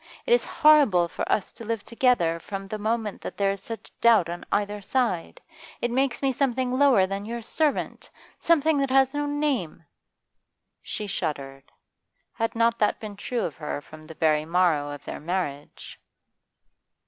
It is horrible for us to live together from the moment that there is such a doubt on either side. It makes me something lower than your servant something that has no name!' She shuddered. Had not that been true of her from the very morrow of their marriage?